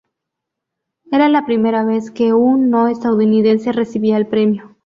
Era la primera vez que un no estadounidense recibía el premio.